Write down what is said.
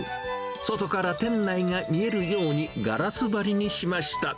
外から店内が見えるように、ガラス張りにしました。